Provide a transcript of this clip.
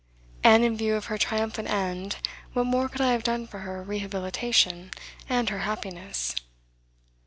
And in view of her triumphant end what more could I have done for her rehabilitation and her happiness?